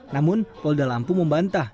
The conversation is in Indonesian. namun polda lampung membantah